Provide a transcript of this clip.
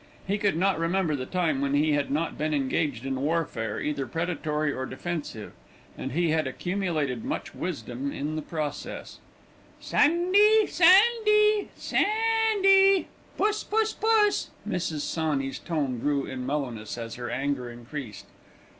He could not remember the time when he had not been engaged in warfare, either predatory or defensive, and he had accumulated much wisdom in the process. "Sandy, Sandy, Sandy, Sandy. Puss, puss, puss." Mrs. Sawney's tone grew in mellowness as her anger increased.